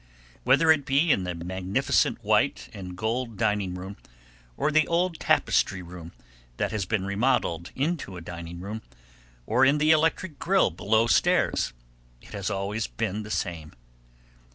Whether it be in the magnificent white and gold dining room, or the old tapestry room that has been remodeled into a dining room, or in the electric grill below stairs, it has always been the same.